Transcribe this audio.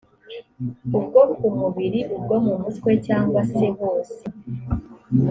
ubwo ku mubiri ubwo mu mutwe cyangwa se hose